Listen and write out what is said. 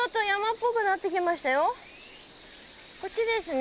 こっちですね。